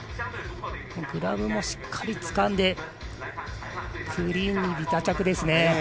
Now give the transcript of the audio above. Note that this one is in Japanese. グラブもしっかりつかんでクリーンにビタ着ですね。